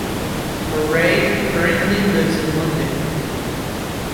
Murray currently lives in London.